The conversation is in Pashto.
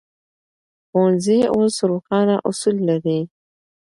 ښوونځي اوس روښانه اصول لري.